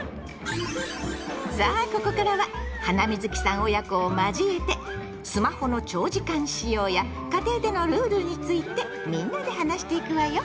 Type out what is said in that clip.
さあここからはハナミズキさん親子を交えて「スマホの長時間使用」や「家庭でのルール」についてみんなで話していくわよ。